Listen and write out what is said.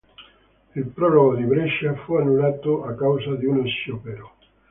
Il prologo di Brescia fu annullato a causa di uno sciopero.